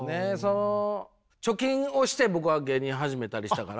貯金をして僕は芸人始めたりしたから。